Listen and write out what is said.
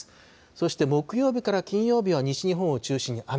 そして木曜日から金曜日は西日本を中心に雨。